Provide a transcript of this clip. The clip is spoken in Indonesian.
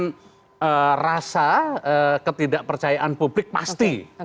tentu ini juga menimbulkan rasa ketidak percayaan publik pasti